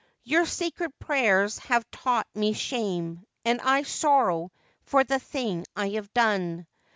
Your sacred prayers have taught me shame, and I sorrow for the thing I have done.